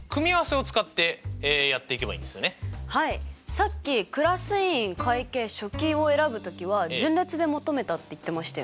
さっきクラス委員会計書記を選ぶ時は順列で求めたって言ってましたよね。